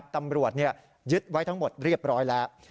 ตำรวจยึดไว้ทั้งหมดเรียบร้อยแล้ว